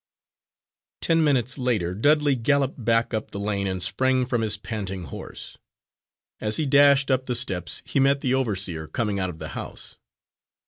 Ten minutes later Dudley galloped back up the lane and sprang from his panting horse. As he dashed up the steps he met the overseer coming out of the house.